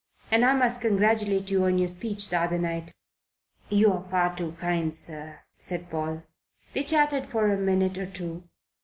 And I must congratulate you on your speech the other night." "You are far too kind, sir," said Paul. They chatted for a minute or two.